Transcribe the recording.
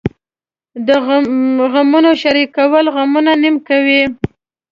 د غمونو شریکول غمونه نیم کموي .